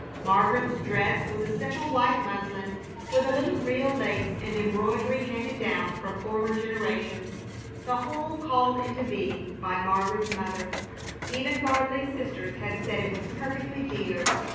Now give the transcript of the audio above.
Margaret's dress was a simple white muslin, with a little real lace and embroidery handed down from former generations, the whole called into being by Margaret's mother. Even Gardley's sisters had said it was "perfectly dear."